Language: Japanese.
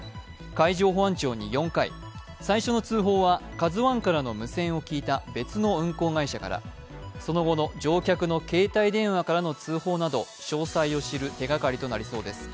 海上保安庁に４回、最初の通報は「ＫＡＺＵⅠ」からの無線を聞いた別の運航会社から、その後の乗客の携帯電話からの通報など、詳細を知る手がかりとなりそうです。